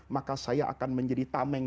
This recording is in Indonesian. maka saya akan menjadi tameng